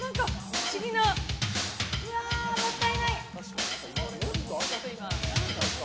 うわもったいない！